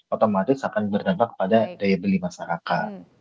otomatis akan bertambah kepada daya beli masyarakat